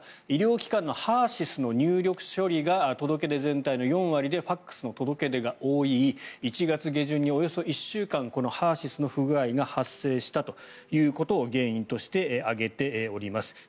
医療機関のＨＥＲ−ＳＹＳの入力処理が届け出全体の４割でファクスの届け出が多い１月下旬におよそ１週間このＨＥＲ−ＳＹＳの不具合が発生したということを原因として挙げております。